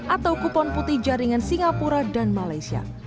atau kupon putih jaringan singapura dan malaysia